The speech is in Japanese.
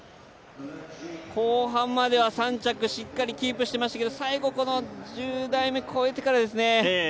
後半までは３着しっかりキープしてましたけど最後、この１０台目越えてからですね